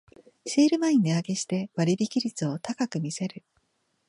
セール前に値上げして割引率を高く見せる